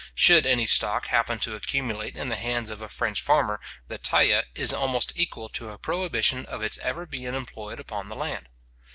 Should any stock happen to accumulate in the hands of a French farmer, the taille is almost equal to a prohibition of its ever being employed upon the land.